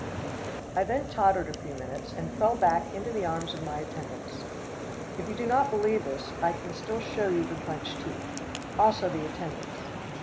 ] I then tottered a few minutes, and fell back into the arms of my attendants. If you do not believe this, I can still show you the clenched teeth. Also the attendants.